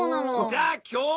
じゃあ今日はね